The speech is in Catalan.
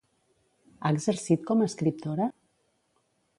Ha exercit com a escriptora?